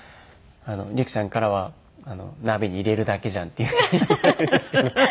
璃来ちゃんからは「鍋に入れるだけじゃん」っていうふうに言われるんですけど。